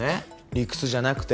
理屈じゃなくて。